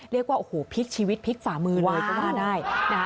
เรียกว่าพลิกชีวิตพลิกฝ่ามือโดยก็ได้